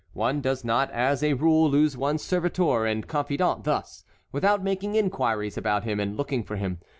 One does not as a rule lose one's servitor and confidant thus, without making inquiries about him and looking for him.